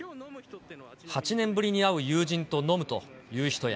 ８年ぶりに会う友人と飲むという人や。